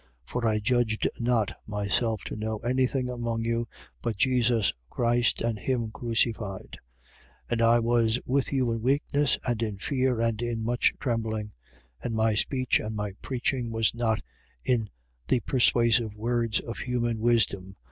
2:2. For I judged not myself to know anything among you, but Jesus Christ: and him crucified. 2:3. And I was with you in weakness and in fear and in much trembling. 2:4. And my speech and my preaching was not in the persuasive words of human wisdom.